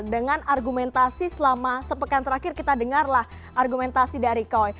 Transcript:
dengan argumentasi selama sepekan terakhir kita dengarlah argumentasi dari koi